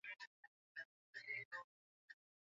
Kiswahili kama lugha ya utawala katika Afrika